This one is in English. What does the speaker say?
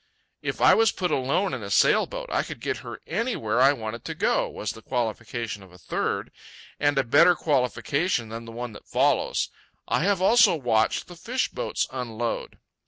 "If I was put alone in a sail boat, I could get her anywhere I wanted to go," was the qualification of a third—and a better qualification than the one that follows, "I have also watched the fish boats unload."